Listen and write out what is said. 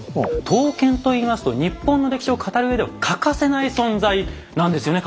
刀剣といいますと日本の歴史を語る上では欠かせない存在なんですよね？